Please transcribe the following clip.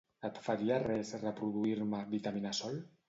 Et faria res reproduir-me "Vitamina sol"?